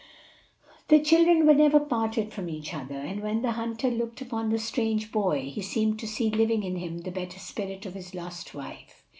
The children were never parted from each other; and when the hunter looked upon the strange boy, he seemed to see living in him the better spirit of his lost wife.